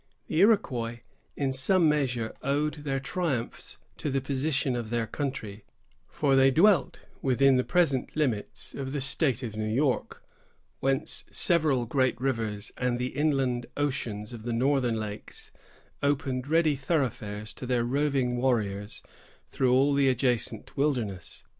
The Iroquois in some measure owed their triumphs to the position of their country; for they dwelt within the present limits of the State of New York, whence several great rivers and the inland oceans of the northern lakes opened ready thoroughfares to their roving warriors through all the adjacent wilderness.